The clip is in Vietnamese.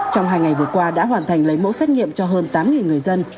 trong hai ngày vừa qua đã hoàn thành lấy mẫu xét nghiệm cho hơn tám người dân